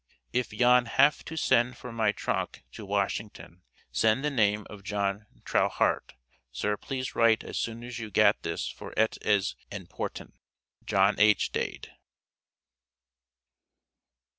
If yon haf to send for my tronke to Washington send the name of John Trowharte. Sir please rite as soon as you gat this for et as enporten. JOHN H. DADE.